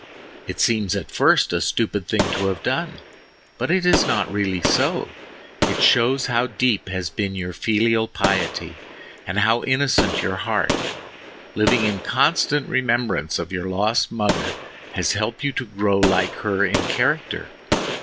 It seems at first a stupid thing to have done, but it is not really so, It shows how deep has been your filial piety, and how innocent your heart. Living in constant remembrance of your lost mother has helped you to grow like her in character.